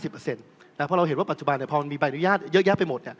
เพราะเราเห็นว่าปัจจุบันพอมันมีใบอนุญาตเยอะแยะไปหมด